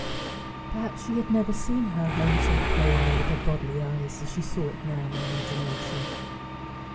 Perhaps she had never seen her home so plainly with her bodily eyes as she saw it now in imagination.